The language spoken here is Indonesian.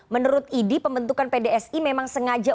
menurut idi pembentukan pdsi memang sengaja